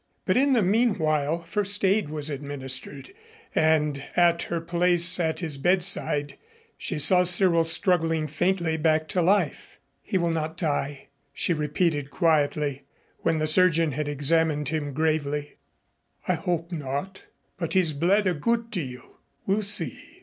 But in the meanwhile first aid was administered, and at her place at his bedside she saw Cyril struggling faintly back to life. "He will not die," she repeated quietly when the surgeon had examined him gravely. "I hope not but he's bled a good deal. We'll see."